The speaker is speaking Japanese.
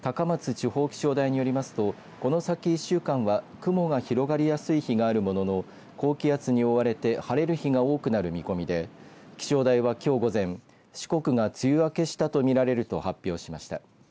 地方気象台によりますとこの先１週間は雲が広がりやすい日があるものの高気圧に覆われて晴れる日が多くなる見込みで気象台は、きょう午前四国が梅雨明けしたと見られると発表しました。